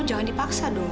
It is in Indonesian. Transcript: jangan dipaksa dong